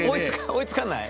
追いつかない？